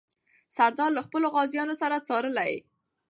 سردار له خپلو غازیانو سره ځارلې.